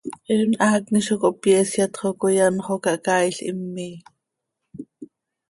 Eenm haacni zo cohpyeesyat xo coi anxö oo cahcaail him miii.